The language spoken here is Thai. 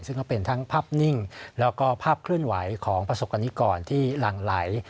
ซึ่งก็เป็นทั้งภาพนิ่งแล้วก็ภาพเคลื่อนไหวของประสบกรณิกรที่หลั่งไหล